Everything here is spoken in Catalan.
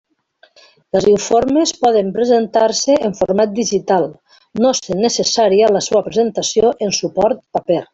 Els informes poden presentar-se en format digital, no sent necessària la seua presentació en suport paper.